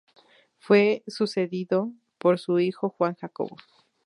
Fue sucedido por su hijo Juan Jacobo.